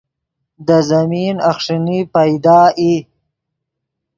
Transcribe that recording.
دے زمین اخݰینی پیدا ای